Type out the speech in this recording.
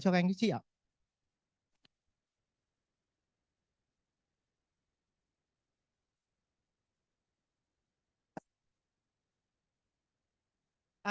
cho các anh chị ạ